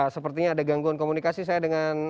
sepertinya ada gangguan komunikasi saya dengan